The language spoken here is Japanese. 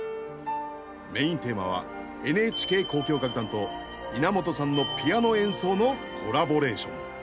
メインテーマはＮＨＫ交響楽団と稲本さんのピアノ演奏のコラボレーション。